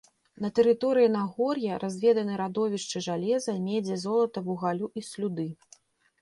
На тэрыторыі нагор'я разведаны радовішчы жалеза, медзі, золата, вугалю і слюды.